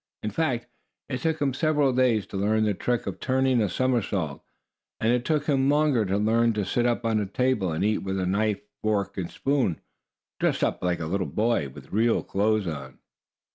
In fact, it took him several days to learn the trick of turning a somersault. And it took him longer to learn to sit up at a table, and eat with a knife, fork and spoon, dressed up like a little boy, with real clothes on.